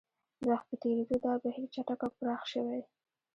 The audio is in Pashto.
د وخت په تېرېدو دا بهیر چټک او پراخ شوی.